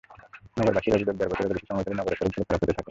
নগরবাসীর অভিযোগ, দেড় বছরেরও বেশি সময় ধরে নগরের সড়কগুলো খারাপ হতে থাকে।